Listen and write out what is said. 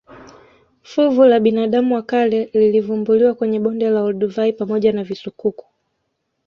Fuvu la binadamu wa kale lilivumbuliwa kwenye bonde la olduvai pamoja na visukuku